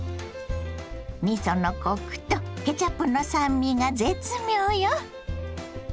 みそのコクとケチャップの酸味が絶妙よ。